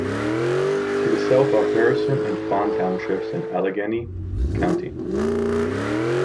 To the south are Harrison and Fawn townships in Allegheny County.